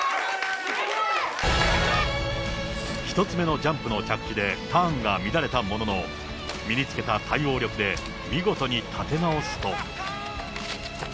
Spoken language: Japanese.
１つ目のジャンプの着地でターンが乱れたものの、身につけた対応力で見事に立て直すと。